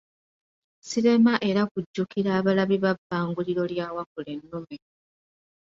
Sirema era kujjukira abalabi ba Bbanguliro lya Wakulennume.